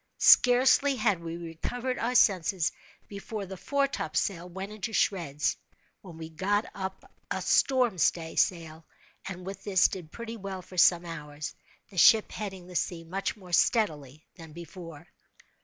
Scarcely had we recovered our senses, before the foretopsail went into shreds, when we got up a storm stay sail and with this did pretty well for some hours, the ship heading the sea much more steadily than before.